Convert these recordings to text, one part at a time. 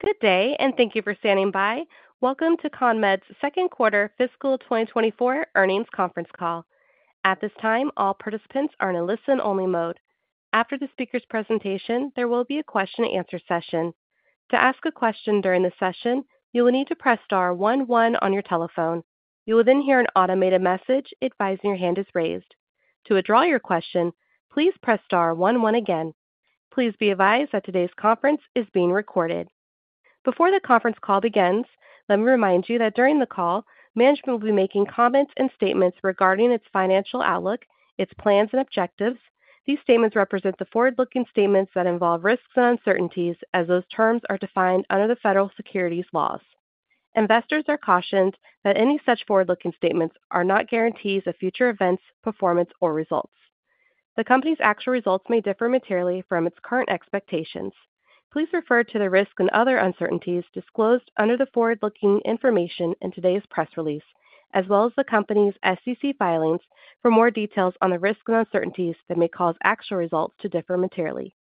Good day, and thank you for standing by. Welcome to CONMED's second quarter fiscal 2024 earnings conference call. At this time, all participants are in a listen-only mode. After the speaker's presentation, there will be a question-and-answer session. To ask a question during the session, you will need to press star 11 on your telephone. You will then hear an automated message advising your hand is raised. To withdraw your question, please press star 11 again. Please be advised that today's conference is being recorded. Before the conference call begins, let me remind you that during the call, management will be making comments and statements regarding its financial outlook, its plans and objectives. These statements represent the forward-looking statements that involve risks and uncertainties, as those terms are defined under the federal securities laws. Investors are cautioned that any such forward-looking statements are not guarantees of future events, performance, or results. The company's actual results may differ materially from its current expectations. Please refer to the risks and other uncertainties disclosed under the forward-looking information in today's press release, as well as the company's SEC filings, for more details on the risks and uncertainties that may cause actual results to differ materially.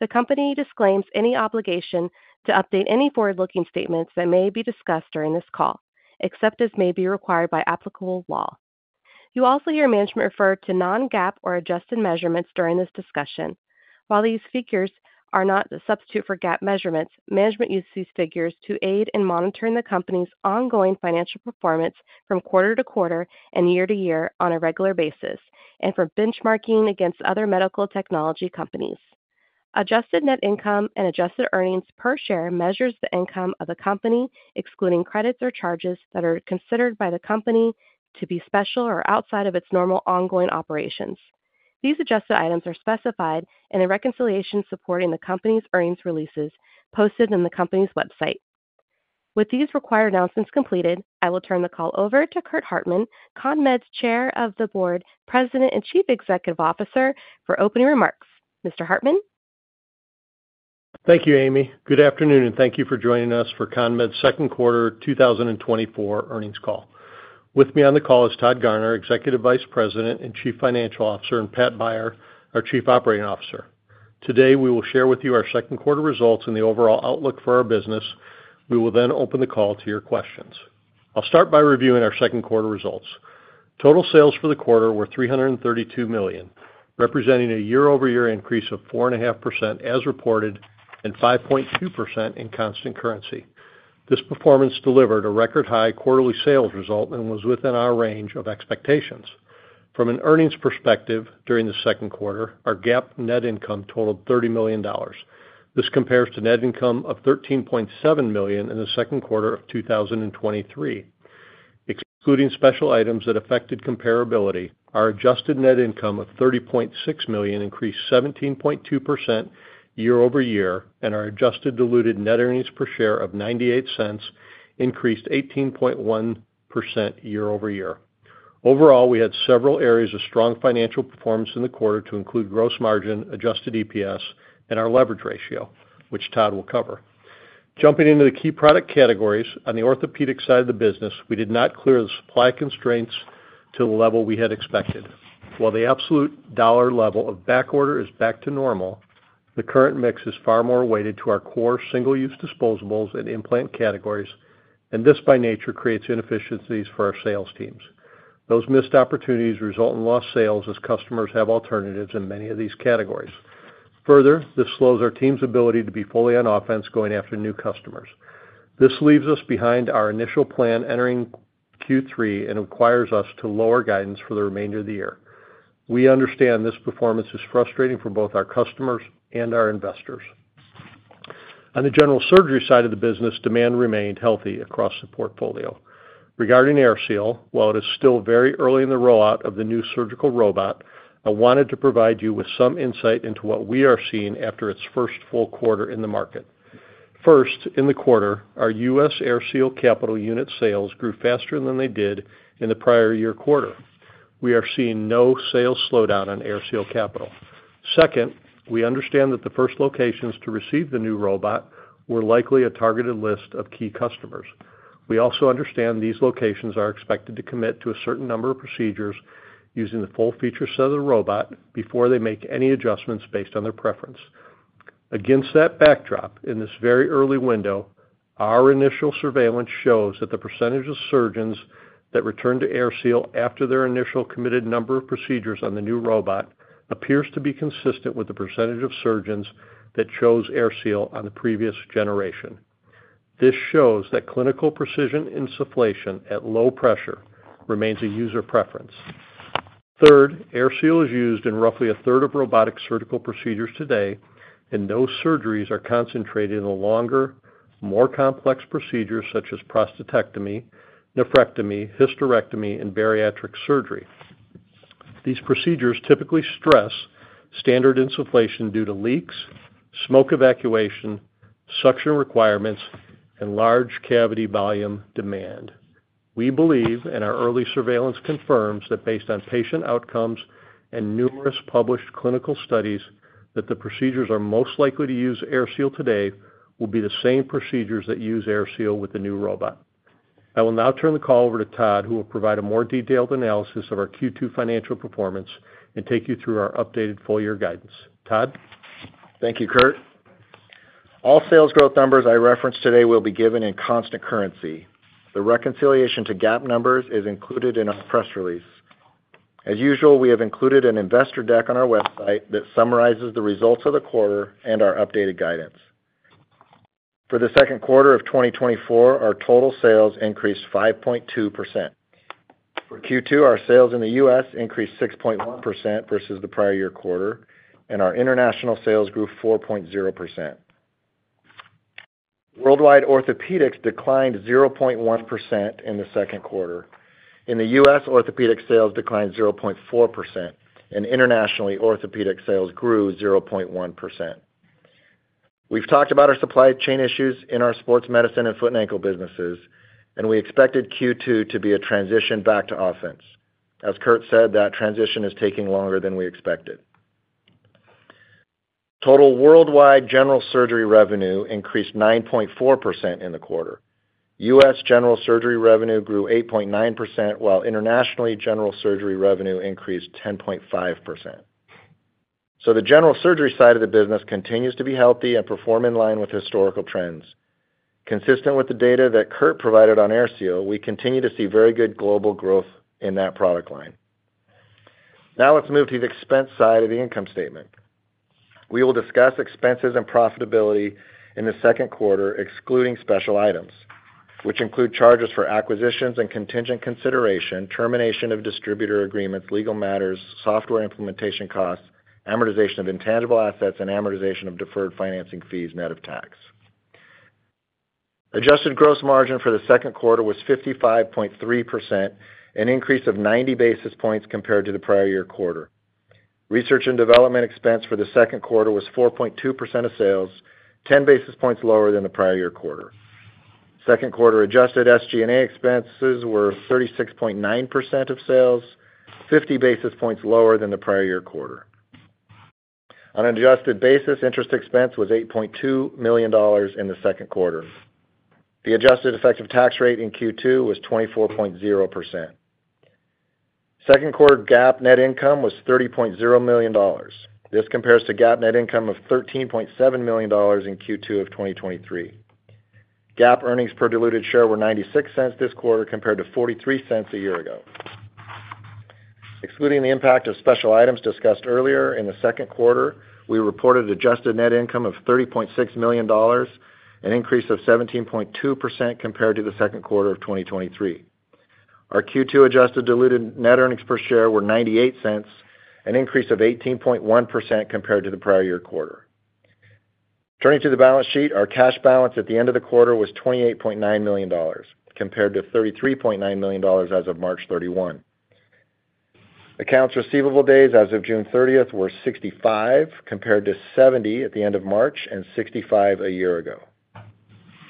The company disclaims any obligation to update any forward-looking statements that may be discussed during this call, except as may be required by applicable law. You will also hear management refer to non-GAAP or adjusted measurements during this discussion. While these figures are not a substitute for GAAP measurements, management uses these figures to aid in monitoring the company's ongoing financial performance from quarter to quarter and year to year on a regular basis, and for benchmarking against other medical technology companies. Adjusted net income and adjusted earnings per share measures the income of a company, excluding credits or charges that are considered by the company to be special or outside of its normal ongoing operations. These adjusted items are specified in a reconciliation supporting the company's earnings releases posted on the company's website. With these required announcements completed, I will turn the call over to Curt Hartman, CONMED's Chair of the Board, President, and Chief Executive Officer, for opening remarks. Mr. Hartman. Thank you, Amy. Good afternoon, and thank you for joining us for CONMED's second quarter 2024 earnings call. With me on the call is Todd Garner, Executive Vice President and Chief Financial Officer, and Pat Beyer, our Chief Operating Officer. Today, we will share with you our second quarter results and the overall outlook for our business. We will then open the call to your questions. I'll start by reviewing our second quarter results. Total sales for the quarter were $332 million, representing a year-over-year increase of 4.5% as reported and 5.2% in constant currency. This performance delivered a record high quarterly sales result and was within our range of expectations. From an earnings perspective, during the second quarter, our GAAP net income totaled $30 million. This compares to net income of $13.7 million in the second quarter of 2023. Excluding special items that affected comparability, our adjusted net income of $30.6 million increased 17.2% year-over-year and our adjusted diluted net earnings per share of $0.98 increased 18.1% year-over-year. Overall, we had several areas of strong financial performance in the quarter to include gross margin, adjusted EPS, and our leverage ratio, which Todd will cover. Jumping into the key product categories, on the orthopedic side of the business, we did not clear the supply constraints to the level we had expected. While the absolute dollar level of back order is back to normal, the current mix is far more weighted to our core single-use disposables and implant categories, and this by nature creates inefficiencies for our sales teams. Those missed opportunities result in lost sales as customers have alternatives in many of these categories. Further, this slows our team's ability to be fully on offense going after new customers. This leaves us behind our initial plan entering Q3 and requires us to lower guidance for the remainder of the year. We understand this performance is frustrating for both our customers and our investors. On the General Surgery side of the business, demand remained healthy across the portfolio. Regarding AirSeal, while it is still very early in the rollout of the new surgical robot, I wanted to provide you with some insight into what we are seeing after its first full quarter in the market. First, in the quarter, our U.S. AirSeal capital unit sales grew faster than they did in the prior year quarter. We are seeing no sales slowdown on AirSeal capital. Second, we understand that the first locations to receive the new robot were likely a targeted list of key customers. We also understand these locations are expected to commit to a certain number of procedures using the full feature set of the robot before they make any adjustments based on their preference. Against that backdrop, in this very early window, our initial surveillance shows that the percentage of surgeons that returned to AirSeal after their initial committed number of procedures on the new robot appears to be consistent with the percentage of surgeons that chose AirSeal on the previous generation. This shows that clinical precision insufflation at low pressure remains a user preference. Third, AirSeal is used in roughly a third of robotic surgical procedures today, and those surgeries are concentrated in the longer, more complex procedures such as prostatectomy, nephrectomy, hysterectomy, and bariatric surgery. These procedures typically stress standard insufflation due to leaks, smoke evacuation, suction requirements, and large cavity volume demand. We believe, and our early surveillance confirms that based on patient outcomes and numerous published clinical studies, that the procedures are most likely to use AirSeal today will be the same procedures that use AirSeal with the new robot. I will now turn the call over to Todd, who will provide a more detailed analysis of our Q2 financial performance and take you through our updated full-year guidance. Todd? Thank you, Curt. All sales growth numbers I referenced today will be given in constant currency. The reconciliation to GAAP numbers is included in our press release. As usual, we have included an investor deck on our website that summarizes the results of the quarter and our updated guidance. For the second quarter of 2024, our total sales increased 5.2%. For Q2, our sales in the U.S. increased 6.1% versus the prior year quarter, and our international sales grew 4.0%. Worldwide orthopedics declined 0.1% in the second quarter. In the U.S., orthopedic sales declined 0.4%, and internationally, orthopedic sales grew 0.1%. We've talked about our supply chain issues in our sports medicine and foot and ankle businesses, and we expected Q2 to be a transition back to offense. As Curt said, that transition is taking longer than we expected. Total worldwide general surgery revenue increased 9.4% in the quarter. U.S. General Surgery revenue grew 8.9%, while internationally, General Surgery revenue increased 10.5%. So the General Surgery side of the business continues to be healthy and perform in line with historical trends. Consistent with the data that Curt provided on AirSeal, we continue to see very good global growth in that product line. Now let's move to the expense side of the income statement. We will discuss expenses and profitability in the second quarter, excluding special items, which include charges for acquisitions and contingent consideration, termination of distributor agreements, legal matters, software implementation costs, amortization of intangible assets, and amortization of deferred financing fees net of tax. Adjusted gross margin for the second quarter was 55.3%, an increase of 90 basis points compared to the prior year quarter. Research and development expense for the second quarter was 4.2% of sales, 10 basis points lower than the prior year quarter. Second quarter adjusted SG&A expenses were 36.9% of sales, 50 basis points lower than the prior year quarter. On an adjusted basis, interest expense was $8.2 million in the second quarter. The adjusted effective tax rate in Q2 was 24.0%. Second quarter GAAP net income was $30.0 million. This compares to GAAP net income of $13.7 million in Q2 of 2023. GAAP earnings per diluted share were $0.96 this quarter compared to $0.43 a year ago. Excluding the impact of special items discussed earlier, in the second quarter, we reported adjusted net income of $30.6 million, an increase of 17.2% compared to the second quarter of 2023. Our Q2 adjusted diluted net earnings per share were $0.98, an increase of 18.1% compared to the prior year quarter. Turning to the balance sheet, our cash balance at the end of the quarter was $28.9 million compared to $33.9 million as of March 31. Accounts receivable days as of June 30 were 65 compared to 70 at the end of March and 65 a year ago.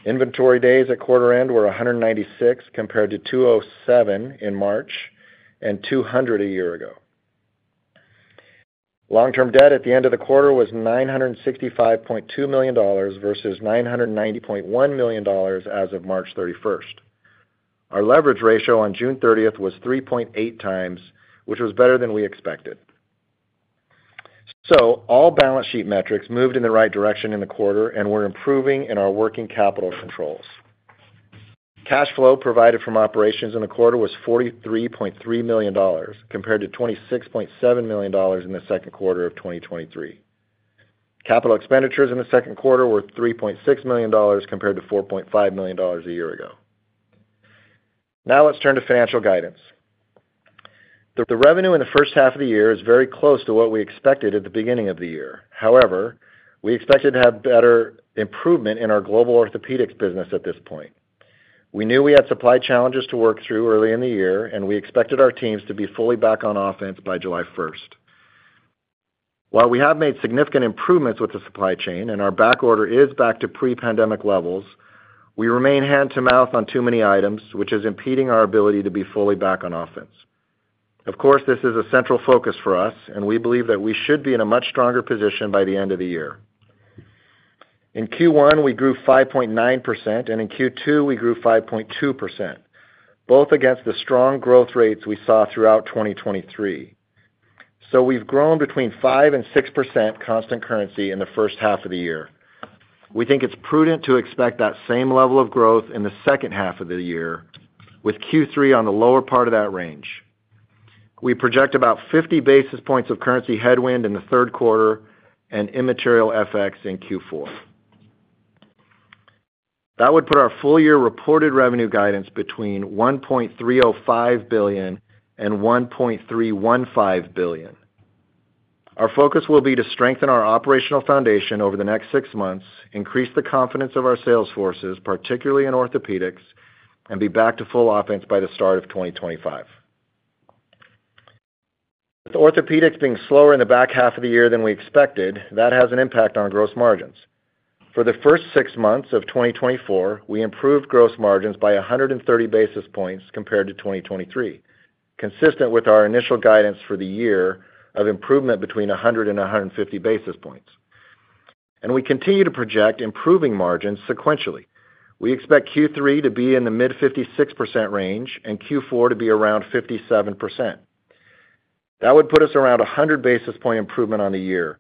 Inventory days at quarter end were 196 compared to 207 in March and 200 a year ago. Long-term debt at the end of the quarter was $965.2 million versus $990.1 million as of March 31. Our leverage ratio on June 30 was 3.8 times, which was better than we expected. So all balance sheet metrics moved in the right direction in the quarter and were improving in our working capital controls. Cash flow provided from operations in the quarter was $43.3 million compared to $26.7 million in the second quarter of 2023. Capital expenditures in the second quarter were $3.6 million compared to $4.5 million a year ago. Now let's turn to financial guidance. The revenue in the first half of the year is very close to what we expected at the beginning of the year. However, we expected to have better improvement in our global Orthopedics business at this point. We knew we had supply challenges to work through early in the year, and we expected our teams to be fully back on offense by July 1. While we have made significant improvements with the supply chain and our back order is back to pre-pandemic levels, we remain hand-to-mouth on too many items, which is impeding our ability to be fully back on offense. Of course, this is a central focus for us, and we believe that we should be in a much stronger position by the end of the year. In Q1, we grew 5.9%, and in Q2, we grew 5.2%, both against the strong growth rates we saw throughout 2023. So we've grown between 5 and 6% constant currency in the first half of the year. We think it's prudent to expect that same level of growth in the second half of the year, with Q3 on the lower part of that range. We project about 50 basis points of currency headwind in the third quarter and immaterial FX in Q4. That would put our full-year reported revenue guidance between $1.305 billion and $1.315 billion. Our focus will be to strengthen our operational foundation over the next six months, increase the confidence of our sales forces, particularly in orthopedics, and be back to full offense by the start of 2025. With orthopedics being slower in the back half of the year than we expected, that has an impact on gross margins. For the first six months of 2024, we improved gross margins by 130 basis points compared to 2023, consistent with our initial guidance for the year of improvement between 100 and 150 basis points. We continue to project improving margins sequentially. We expect Q3 to be in the mid-56% range and Q4 to be around 57%. That would put us around 100 basis point improvement on the year,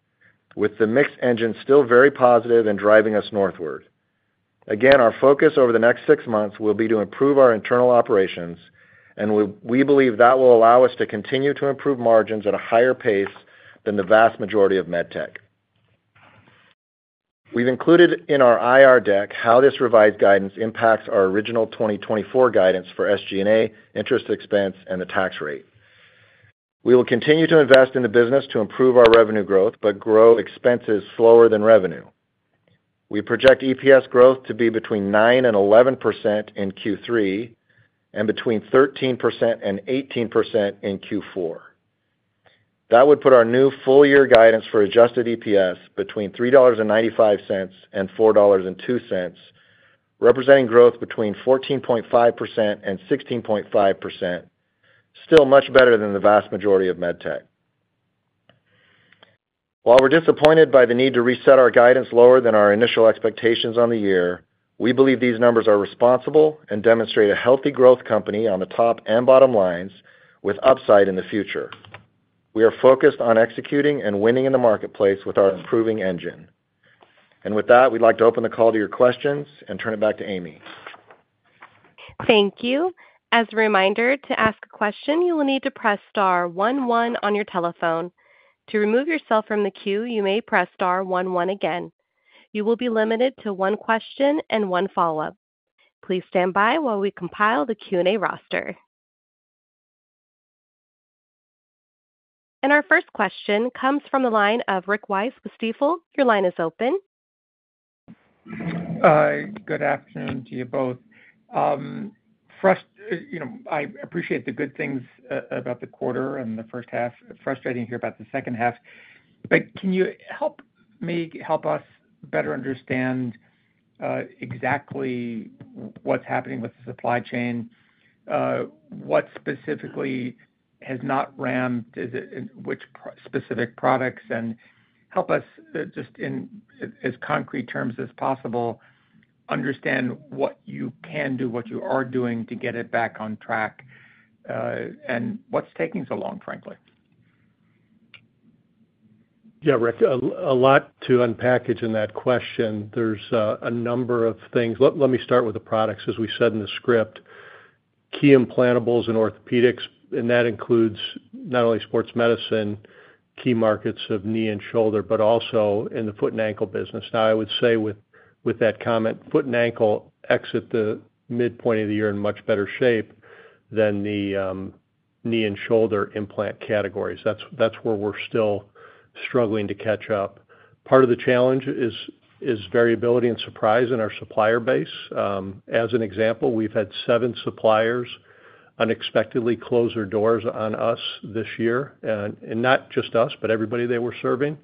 with the mix engine still very positive and driving us northward. Again, our focus over the next six months will be to improve our internal operations, and we believe that will allow us to continue to improve margins at a higher pace than the vast majority of med tech. We've included in our IR deck how this revised guidance impacts our original 2024 guidance for SG&A, interest expense, and the tax rate. We will continue to invest in the business to improve our revenue growth, but grow expenses slower than revenue. We project EPS growth to be between 9%-11% in Q3 and between 13%-18% in Q4. That would put our new full-year guidance for adjusted EPS between $3.95-$4.02, representing growth between 14.5%-16.5%, still much better than the vast majority of med tech. While we're disappointed by the need to reset our guidance lower than our initial expectations on the year, we believe these numbers are responsible and demonstrate a healthy growth company on the top and bottom lines with upside in the future. We are focused on executing and winning in the marketplace with our improving engine. With that, we'd like to open the call to your questions and turn it back to Amy. Thank you. As a reminder, to ask a question, you will need to press star 11 on your telephone. To remove yourself from the queue, you may press star 11 again. You will be limited to one question and one follow-up. Please stand by while we compile the Q&A roster. Our first question comes from the line of Rick Wise with Stifel. Your line is open. Good afternoon to you both. I appreciate the good things about the quarter and the first half. Frustrating to hear about the second half. But can you help us better understand exactly what's happening with the supply chain? What specifically has not ramped? Which specific products? And help us just in as concrete terms as possible understand what you can do, what you are doing to get it back on track, and what's taking so long, frankly. Yeah, Rick, a lot to unpack in that question. There's a number of things. Let me start with the products, as we said in the script. Key implantables in orthopedics, and that includes not only sports medicine, key markets of knee and shoulder, but also in the foot and ankle business. Now, I would say with that comment, foot and ankle exit the midpoint of the year in much better shape than the knee and shoulder implant categories. That's where we're still struggling to catch up. Part of the challenge is variability and surprise in our supplier base. As an example, we've had 7 suppliers unexpectedly close their doors on us this year, and not just us, but everybody they were serving.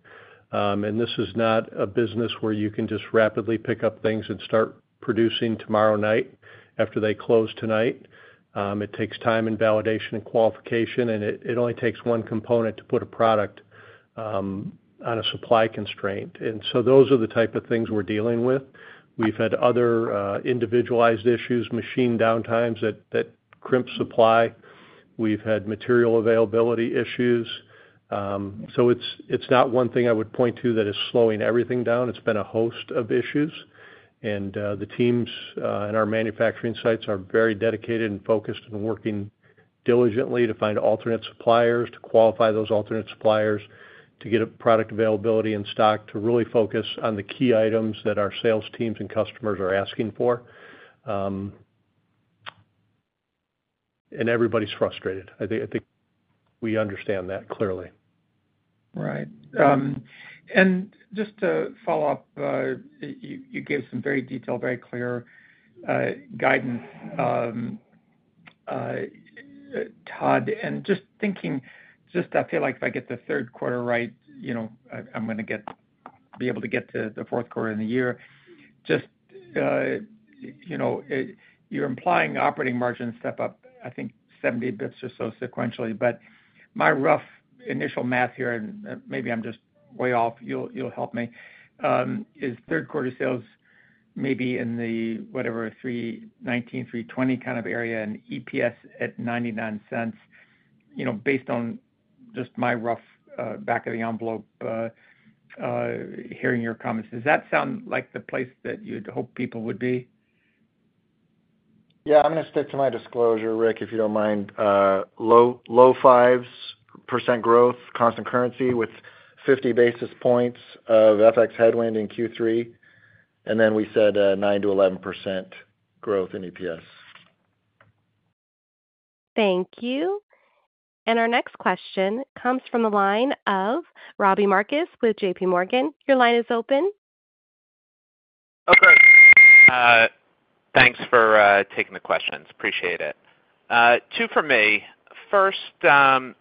And this is not a business where you can just rapidly pick up things and start producing tomorrow night after they close tonight. It takes time and validation and qualification, and it only takes one component to put a product on a supply constraint. And so those are the type of things we're dealing with. We've had other individualized issues, machine downtimes that crimp supply. We've had material availability issues. So it's not one thing I would point to that is slowing everything down. It's been a host of issues. And the teams and our manufacturing sites are very dedicated and focused and working diligently to find alternate suppliers, to qualify those alternate suppliers, to get product availability in stock, to really focus on the key items that our sales teams and customers are asking for. And everybody's frustrated. I think we understand that clearly. Right. And just to follow up, you gave some very detailed, very clear guidance, Todd. And just thinking, just I feel like if I get the third quarter right, I'm going to be able to get to the fourth quarter of the year. Just you're implying operating margins step up, I think, 70 basis points or so sequentially. But my rough initial math here, and maybe I'm just way off, you'll help me, is third quarter sales maybe in the, whatever, $319 million-$320 million kind of area, and EPS at $0.99, based on just my rough back of the envelope hearing your comments. Does that sound like the place that you'd hope people would be? Yeah, I'm going to stick to my disclosure, Rick, if you don't mind. Low 5% growth, constant currency with 50 basis points of FX headwind in Q3. And then we said 9%-11% growth in EPS. Thank you. And our next question comes from the line of Robert Marcus with JPMorgan. Your line is open. Okay. Thanks for taking the questions. Appreciate it. Two for me. First, Todd,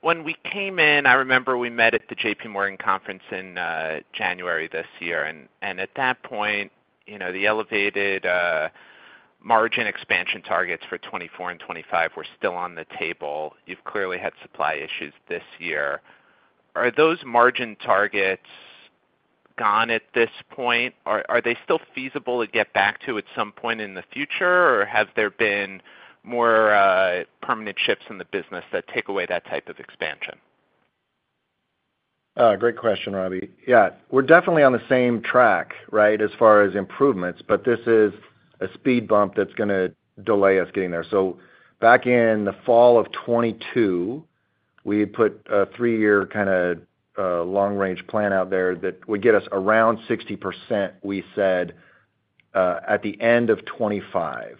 when we came in, I remember we met at the J.P. Morgan conference in January this year. At that point, the elevated margin expansion targets for 2024 and 2025 were still on the table. You've clearly had supply issues this year. Are those margin targets gone at this point? Are they still feasible to get back to at some point in the future, or have there been more permanent shifts in the business that take away that type of expansion? Great question, Robert. Yeah, we're definitely on the same track, right, as far as improvements, but this is a speed bump that's going to delay us getting there. So back in the fall of 2022, we had put a three-year kind of long-range plan out there that would get us around 60%, we said, at the end of 2025.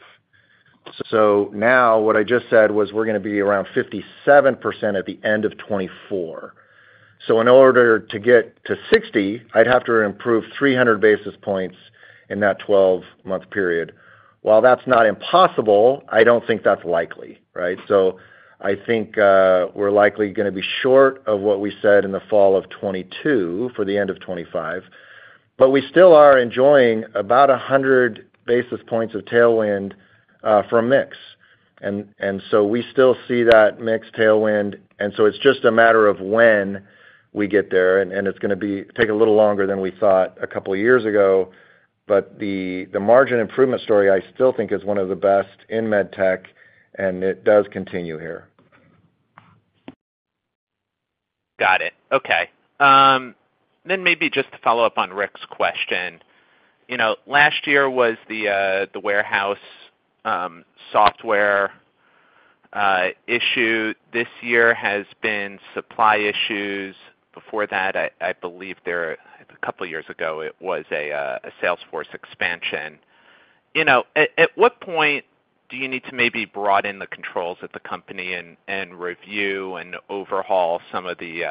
So now what I just said was we're going to be around 57% at the end of 2024. So in order to get to 60, I'd have to improve 300 basis points in that 12-month period. While that's not impossible, I don't think that's likely, right? So I think we're likely going to be short of what we said in the fall of 2022 for the end of 2025. But we still are enjoying about 100 basis points of tailwind for a mix. And so we still see that mix tailwind. It's just a matter of when we get there. It's going to take a little longer than we thought a couple of years ago. The margin improvement story, I still think, is one of the best in med tech, and it does continue here. Got it. Okay. Then maybe just to follow up on Rick's question. Last year was the warehouse software issue. This year has been supply issues. Before that, I believe a couple of years ago, it was a sales force expansion. At what point do you need to maybe broaden the controls at the company and review and overhaul some of the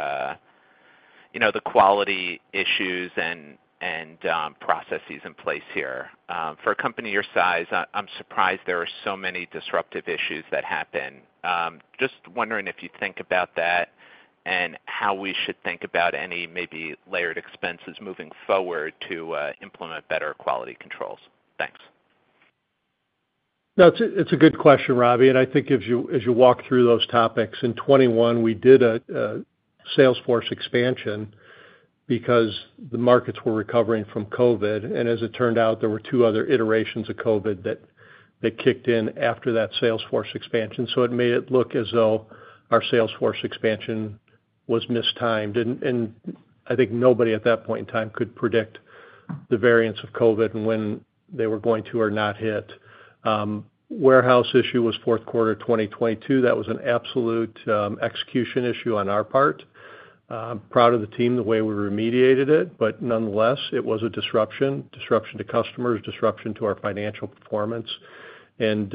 quality issues and processes in place here? For a company your size, I'm surprised there are so many disruptive issues that happen. Just wondering if you think about that and how we should think about any maybe layered expenses moving forward to implement better quality controls. Thanks. No, it's a good question, Robert. And I think as you walk through those topics, in 2021, we did sales force expansion because the markets were recovering from COVID. And as it turned out, there were two other iterations of COVID that kicked in after sales force expansion. So it made it look as though sales force expansion was mistimed. And I think nobody at that point in time could predict the variance of COVID and when they were going to or not hit. Warehouse issue was fourth quarter 2022. That was an absolute execution issue on our part. Proud of the team, the way we remediated it. But nonetheless, it was a disruption, disruption to customers, disruption to our financial performance. And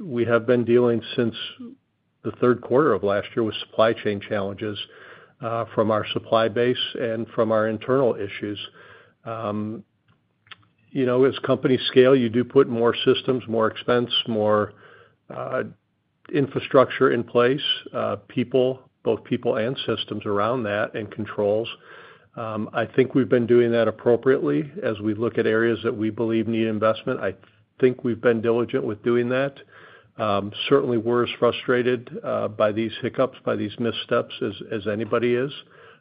we have been dealing since the third quarter of last year with supply chain challenges from our supply base and from our internal issues. As companies scale, you do put more systems, more expense, more infrastructure in place, both people and systems around that and controls. I think we've been doing that appropriately as we look at areas that we believe need investment. I think we've been diligent with doing that. Certainly, we're as frustrated by these hiccups, by these missteps as anybody is.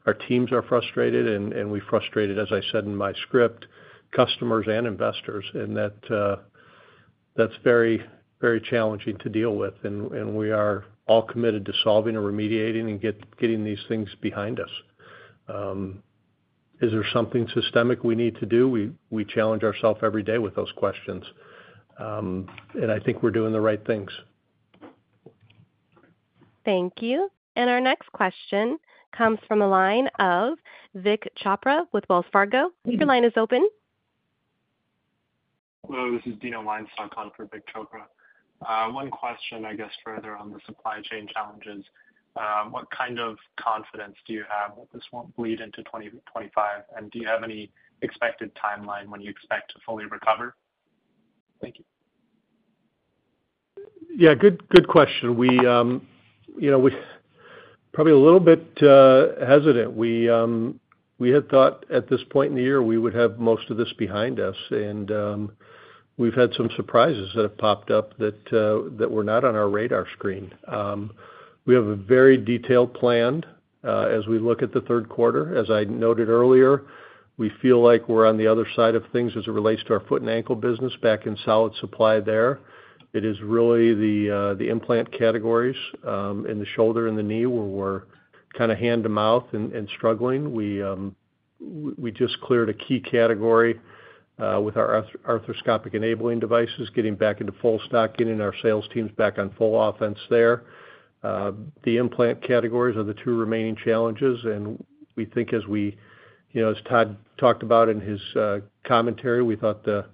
Our teams are frustrated, and we frustrated, as I said in my script, customers and investors. And that's very, very challenging to deal with. And we are all committed to solving and remediating and getting these things behind us. Is there something systemic we need to do? We challenge ourselves every day with those questions. And I think we're doing the right things. Thank you. And our next question comes from the line of Vik Chopra with Wells Fargo. Your line is open. Hello. This is Dino Linson calling for Vik Chopra. One question, I guess, further on the supply chain challenges. What kind of confidence do you have that this won't bleed into 2025? And do you have any expected timeline when you expect to fully recover? Thank you. Yeah, good question. We're probably a little bit hesitant. We had thought at this point in the year we would have most of this behind us. And we've had some surprises that have popped up that were not on our radar screen. We have a very detailed plan as we look at the third quarter. As I noted earlier, we feel like we're on the other side of things as it relates to our foot and ankle business. Back in solid supply there, it is really the implant categories in the shoulder and the knee where we're kind of hand to mouth and struggling. We just cleared a key category with our arthroscopic enabling devices, getting back into full stock, getting our sales teams back on full offense there. The implant categories are the two remaining challenges. We think as Todd talked about in his commentary, we thought the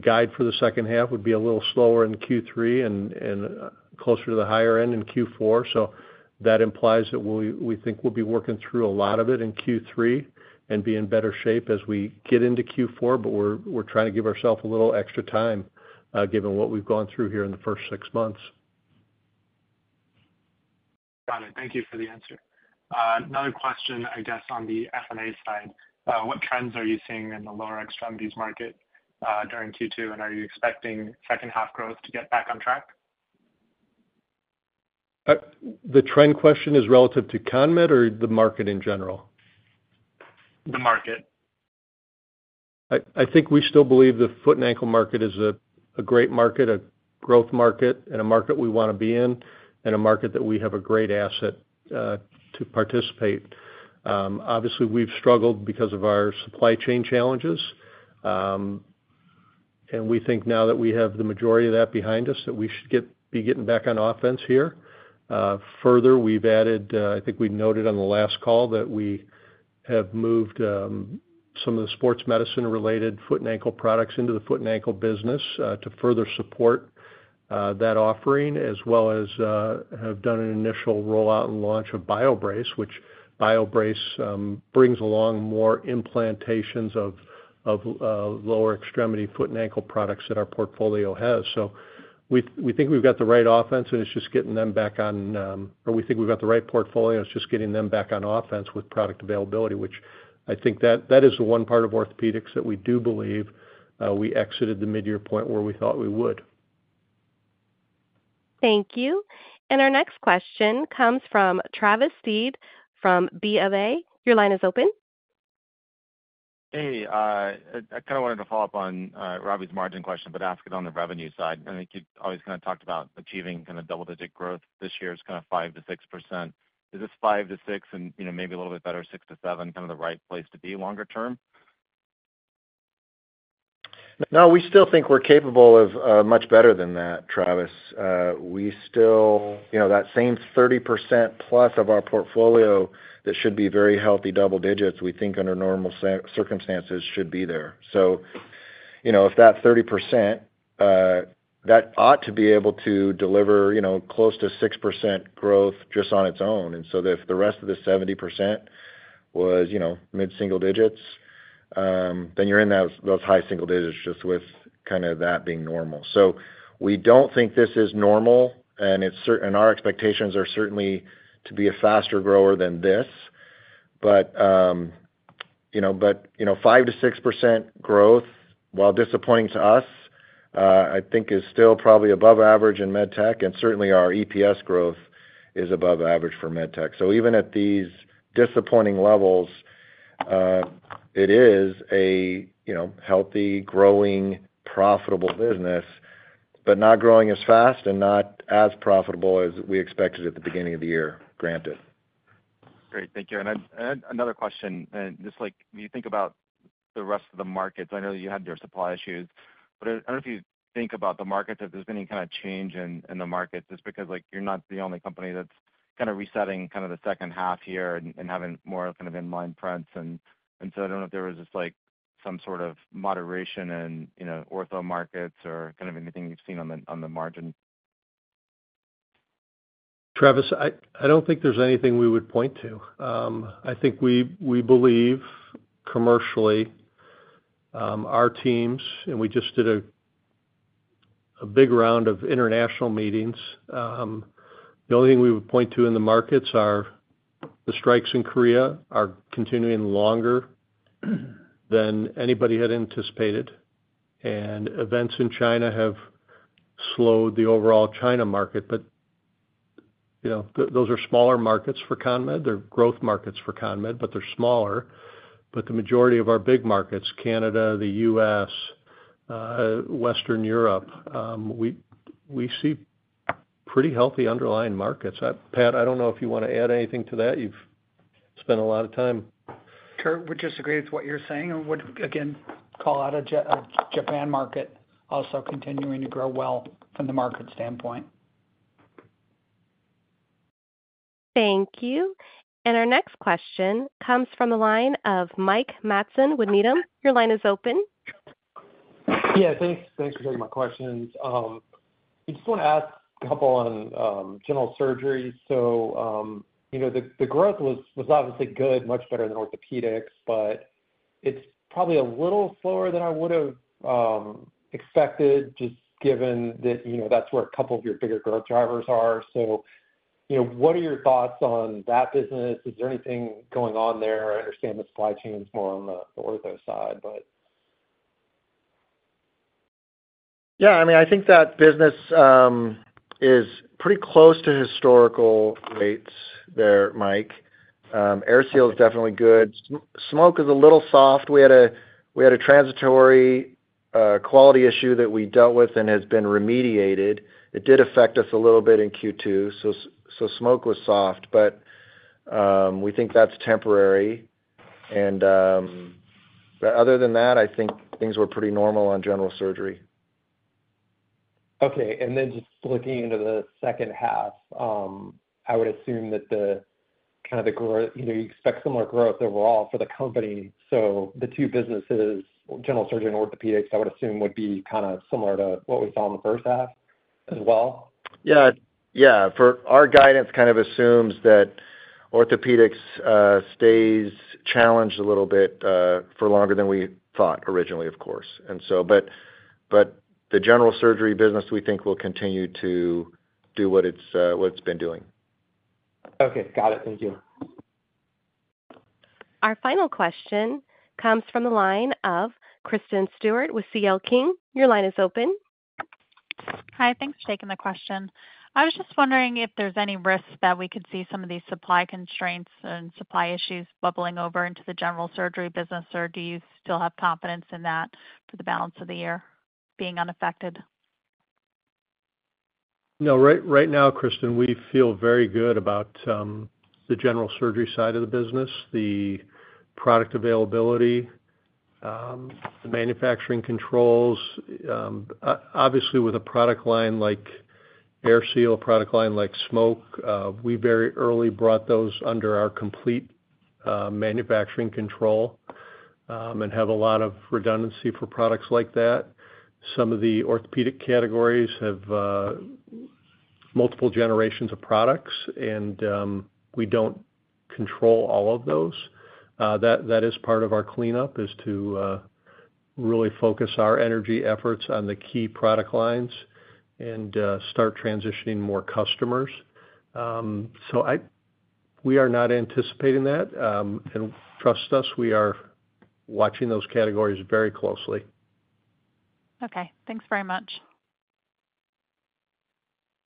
guide for the second half would be a little slower in Q3 and closer to the higher end in Q4. That implies that we think we'll be working through a lot of it in Q3 and be in better shape as we get into Q4. We're trying to give ourselves a little extra time given what we've gone through here in the first six months. Got it. Thank you for the answer. Another question, I guess, on the F&A side. What trends are you seeing in the lower extremities market during Q2? And are you expecting second half growth to get back on track? The trend question is relative to CONMED or the market in general? The market. I think we still believe the foot and ankle market is a great market, a growth market, and a market we want to be in, and a market that we have a great asset to participate. Obviously, we've struggled because of our supply chain challenges. We think now that we have the majority of that behind us, that we should be getting back on offense here. Further, we've added, I think we noted on the last call, that we have moved some of the sports medicine-related foot and ankle products into the foot and ankle business to further support that offering, as well as have done an initial rollout and launch of BioBrace, which BioBrace brings along more implantations of lower extremity foot and ankle products that our portfolio has. So we think we've got the right offense, and it's just getting them back on, or we think we've got the right portfolio. It's just getting them back on offense with product availability, which I think that is the one part of Orthopedics that we do believe we exited the midyear point where we thought we would. Thank you. Our next question comes from Travis Steed from BofA. Your line is open. Hey. I kind of wanted to follow up on Robert's margin question, but ask it on the revenue side. I think you always kind of talked about achieving kind of double-digit growth. This year is kind of 5%-6%. Is this 5%-6% and maybe a little bit better, 6%-7%, kind of the right place to be longer term? No, we still think we're capable of much better than that, Travis. We still, that same 30%+ of our portfolio that should be very healthy double digits, we think under normal circumstances should be there. So if that 30%, that ought to be able to deliver close to 6% growth just on its own. And so if the rest of the 70% was mid-single digits, then you're in those high single digits just with kind of that being normal. So we don't think this is normal. And our expectations are certainly to be a faster grower than this. But 5%-6% growth, while disappointing to us, I think is still probably above average in med tech. And certainly, our EPS growth is above average for med tech. So even at these disappointing levels, it is a healthy, growing, profitable business, but not growing as fast and not as profitable as we expected at the beginning of the year, granted. Great. Thank you. And another question. Just when you think about the rest of the markets, I know you had your supply issues. But I don't know if you think about the markets, if there's been any kind of change in the markets, just because you're not the only company that's kind of resetting kind of the second half here and having more kind of in-line prints. And so I don't know if there was just some sort of moderation in ortho markets or kind of anything you've seen on the margin. Travis, I don't think there's anything we would point to. I think we believe commercially, our teams, and we just did a big round of international meetings. The only thing we would point to in the markets are the strikes in Korea are continuing longer than anybody had anticipated. And events in China have slowed the overall China market. But those are smaller markets for CONMED. They're growth markets for CONMED, but they're smaller. But the majority of our big markets, Canada, the U.S., Western Europe, we see pretty healthy underlying markets. Pat, I don't know if you want to add anything to that. You've spent a lot of time. Sure. Would you disagree with what you're saying? And would, again, call out a Japan market also continuing to grow well from the market standpoint. Thank you. And our next question comes from the line of Mike Matson with Needham. Your line is open. Yeah. Thanks for taking my questions. I just want to ask a couple on General Surgery. So the growth was obviously good, much better than Orthopedics, but it's probably a little slower than I would have expected, just given that that's where a couple of your bigger growth drivers are. So what are your thoughts on that business? Is there anything going on there? I understand the supply chain is more on the ortho side, but. Yeah. I mean, I think that business is pretty close to historical rates there, Mike. AirSeal is definitely good. Smoke is a little soft. We had a transitory quality issue that we dealt with and has been remediated. It did affect us a little bit in Q2. So smoke was soft, but we think that's temporary. And other than that, I think things were pretty normal on General Surgery. Okay. And then just looking into the second half, I would assume that kind of the growth, you expect similar growth overall for the company. So the two businesses, general surgery and orthopedics, I would assume would be kind of similar to what we saw in the first half as well. Yeah. Yeah. Our guidance kind of assumes that orthopedics stays challenged a little bit for longer than we thought originally, of course. But the general surgery business, we think, will continue to do what it's been doing. Okay. Got it. Thank you. Our final question comes from the line of Kristen Stewart with C.L. King. Your line is open. Hi. Thanks for taking the question. I was just wondering if there's any risk that we could see some of these supply constraints and supply issues bubbling over into the general surgery business, or do you still have confidence in that for the balance of the year being unaffected? No. Right now, Kristen, we feel very good about the General Surgery side of the business, the product availability, the manufacturing controls. Obviously, with a product line like AirSeal, a product line like smoke, we very early brought those under our complete manufacturing control and have a lot of redundancy for products like that. Some of the orthopedic categories have multiple generations of products, and we don't control all of those. That is part of our cleanup, is to really focus our energy efforts on the key product lines and start transitioning more customers. So we are not anticipating that. And trust us, we are watching those categories very closely. Okay. Thanks very much.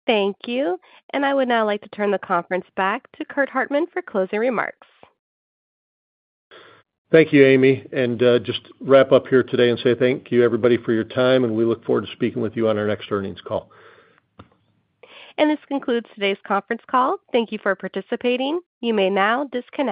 Thank you. I would now like to turn the conference back to Curt Hartman for closing remarks. Thank you, Amy. Just wrap up here today and say thank you, everybody, for your time. We look forward to speaking with you on our next earnings call. This concludes today's conference call. Thank you for participating. You may now disconnect.